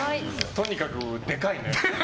とにかくでかいね。